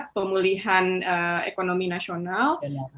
pemulihan ekonomi nasional